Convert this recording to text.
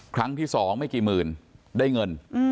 ครั้งที่๒ไม่กี่หมื่นได้เงิน